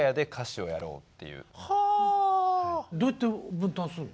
どうやって分担するの？